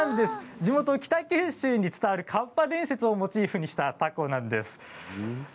地元北九州にまつわるかっぱ伝説をモチーフにした凧なんです。